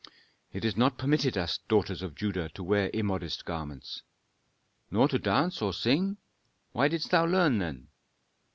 "It is not permitted us daughters of Judah to wear immodest garments." "Nor to dance or sing? Why didst thou learn, then?"